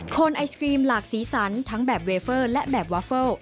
คนไอศกรีมหลากสีสันทั้งแบบเวเฟอร์และแบบวาเฟิล